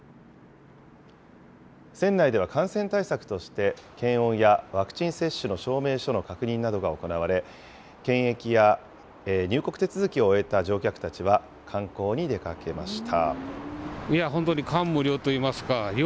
船内では感染対策として、検温やワクチン接種の証明書の確認などが行われ、検疫や入国手続きを終えた乗客たちは、観光に出かけました。